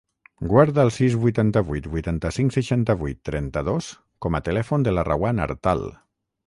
Guarda el sis, vuitanta-vuit, vuitanta-cinc, seixanta-vuit, trenta-dos com a telèfon de la Rawan Artal.